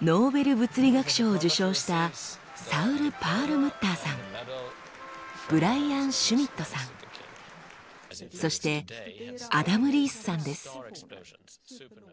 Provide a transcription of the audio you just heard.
ノーベル物理学賞を受賞したサウル・パールムッターさんブライアン・シュミットさんそしてアダム・リースさんです。